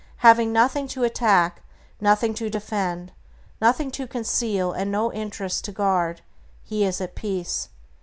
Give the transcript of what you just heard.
Having nothing to attack, nothing to defend, nothing to conceal, and no interests to guard, he is at peace.